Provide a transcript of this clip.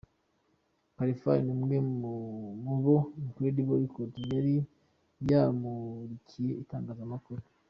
Khalfan ni umwe mubo Incredible Record yari yamurikiye itangazamakuru.